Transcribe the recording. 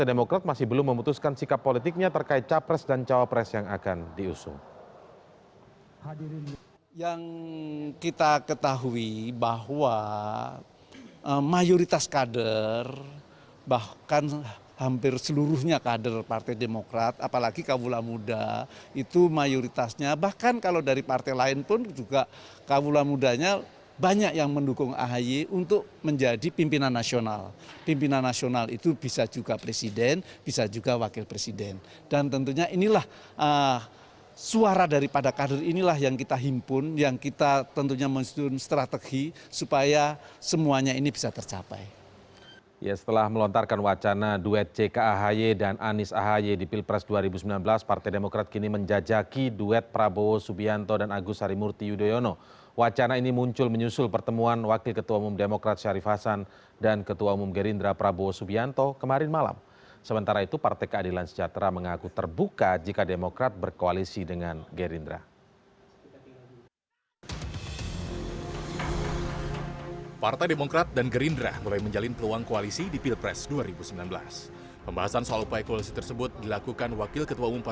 dan pada waktunya mudah mudahan tidak waktu lama ya memang ada rencana untuk kami ketemu